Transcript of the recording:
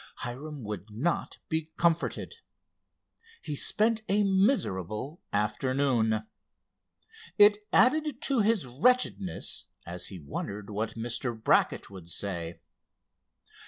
Hiram would not be comforted. He spent a miserable afternoon. It added to his wretchedness as he wondered what Mr. Brackett would say.